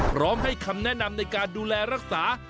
พร้อมให้คำแนะนำในการดูแลรักษา